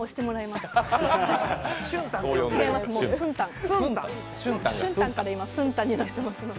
しゅんたんから、今、すんたんになってるんで。